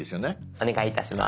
お願いいたします。